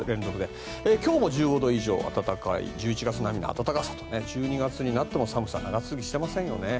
今日も１５度以上、暖かい１１月並みの暖かさということで１２月になっても寒さ、長続きしませんよね。